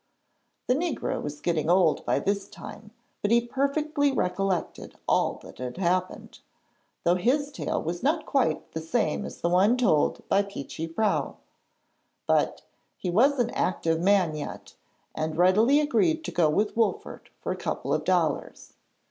The negro was getting old by this time, but he perfectly recollected all that had happened, though his tale was not quite the same as the one told by Peechy Prauw. But, he was an active man yet, and readily agreed to go with Wolfert for a couple of dollars.